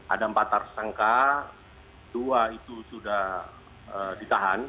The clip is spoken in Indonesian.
ada empat tersangka dua itu sudah ditahan